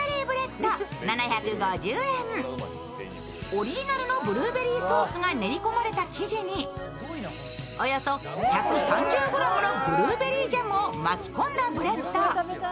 オリジナルのブルーベリーソースが練り込まれた生地におよそ１３０ｇのブルーベリージャムを巻き込んだブレッド。